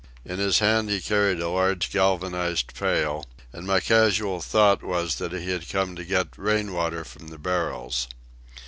In his hand he carried a large galvanized pail, and my casual thought was that he had come to get rain water from the barrels.